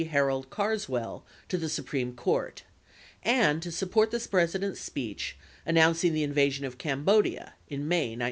Harrold Carswell to the Supreme Court and to support the President's speech announcing the invasion of Cambodia in May, 1970.